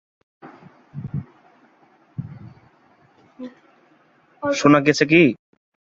এটি শিল্প মন্ত্রণালয়ের অধীন একটি বিভাগ হিসাবে তৈরি করা হয়েছিল।